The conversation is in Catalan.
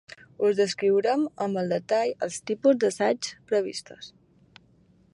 Us descriurem amb detall els tipus d'assaigs previstos.